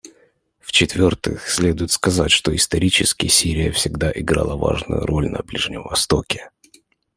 В-четвертых, следует сказать, что исторически Сирия всегда играла важную роль на Ближнем Востоке.